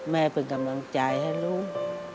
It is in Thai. แม่เป็นกำลังใจให้ลูก